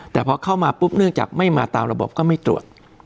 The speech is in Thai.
แต่พอเข้ามาปุ๊บเนื่องจากไม่มาตามระบบก็ไม่ตรวจ